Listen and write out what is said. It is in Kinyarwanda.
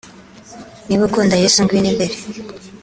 niba ukunda Yesu ngwino imbere